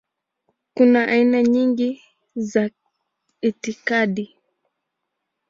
Kuna aina nyingi za itikadi.